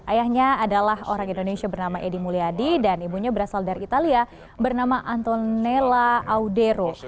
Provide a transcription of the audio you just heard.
ayahnya adalah orang indonesia bernama edi mulyadi dan ibunya berasal dari italia bernama antonella audero